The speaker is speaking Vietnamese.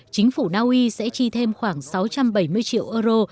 chính phủ naui sẽ chi thêm khoảng sáu trăm bảy mươi triệu euro